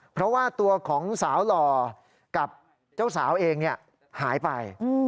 เพราะว่าตัวของสาวหล่อกับเจ้าสาวเองหายไป